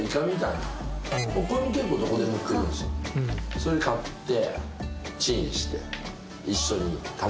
それを買って。